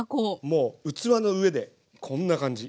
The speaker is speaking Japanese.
もう器の上でこんな感じ。